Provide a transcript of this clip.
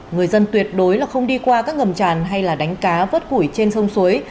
người dân tuyệt đối là không đi qua các ngầm tràn hay là đánh cá vớt củi trên sông suối